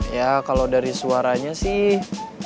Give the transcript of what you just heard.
ya kalau dari suaranya sih